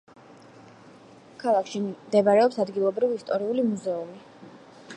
ქალაქში მდებარეობს ადგილობრივი ისტორიული მუზეუმი.